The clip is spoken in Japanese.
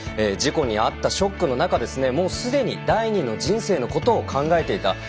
事故に遭ったショックの中もうすでに第二の人生のことを考えていた。